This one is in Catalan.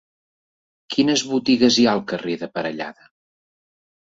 Quines botigues hi ha al carrer de Parellada?